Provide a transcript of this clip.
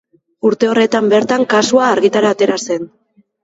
Urte horretan bertan kasua argitara atera zen.